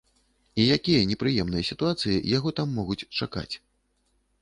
І якія непрыемныя сітуацыі яго там могуць чакаць?